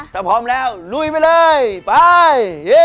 ถ้าพร้อมแล้วลุยไปเลยไป